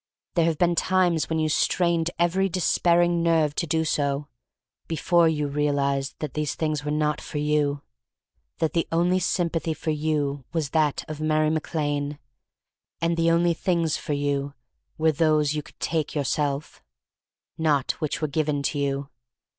There have been times when you strained every despairing nerve to do so — ^before you realized that these things were not for you, that the only sympathy for you was that of Mary Mac Lane, and the only things for you were those you could take yourself — not which were given you.